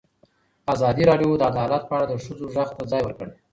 ازادي راډیو د عدالت په اړه د ښځو غږ ته ځای ورکړی.